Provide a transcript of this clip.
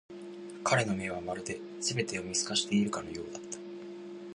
彼の目は、まるで全てを見透かしているかのようだった。